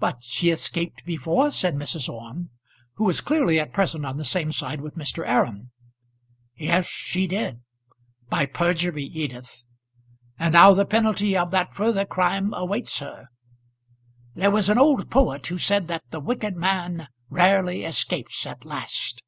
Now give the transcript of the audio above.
"But she escaped before," said Mrs. Orme, who was clearly at present on the same side with Mr. Aram. "Yes; she did; by perjury, Edith. And now the penalty of that further crime awaits her. There was an old poet who said that the wicked man rarely escapes at last.